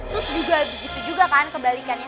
terus juga begitu juga kan kembalikannya